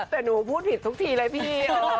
แต่หนูพูดผิดทุกทีเลยพี่